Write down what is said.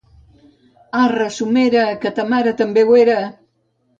Arre, somera, que ta mare també ho era!